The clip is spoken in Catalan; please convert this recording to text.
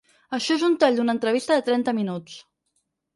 Això és un tall d’una entrevista de trenta minuts.